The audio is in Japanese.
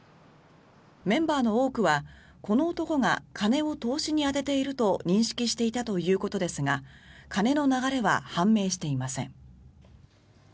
メンバーの多くは、この男が金を投資に充てていると認識していたということですが金の流れは判明していません。